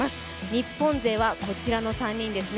日本勢はこちらの３人ですね。